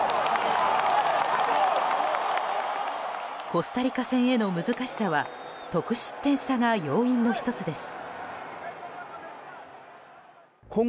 コスタリカ戦への難しさは得失点差が要因の１つです。